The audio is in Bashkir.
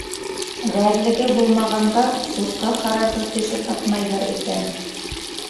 Ғәрлеге булмағанға сусҡа ҡарарға кеше тапмайҙар икән!